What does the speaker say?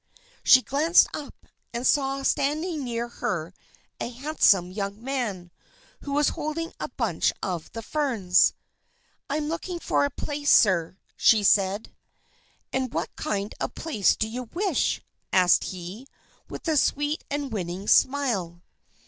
She glanced up, and saw standing near her a handsome young man, who was holding a bunch of the ferns. "I am looking for a place, sir," said she. "And what kind of a place do you wish?" asked he, with a sweet and winning smile.